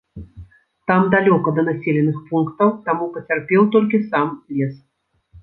Там далёка да населеных пунктаў, таму пацярпеў толькі сам лес.